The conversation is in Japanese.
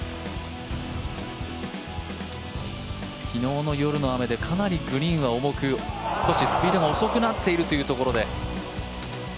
昨日の夜の雨でかなりグリーンは重く少しスピードが遅くなっているというところで。